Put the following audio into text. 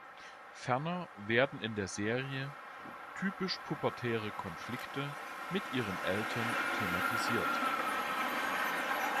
Ferner werden in der Serie typisch pubertäre Konflikte mit ihren Eltern thematisiert.